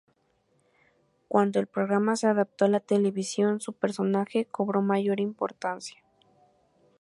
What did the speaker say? Cuando el programa se adaptó a la televisión, su personaje cobró mayor importancia.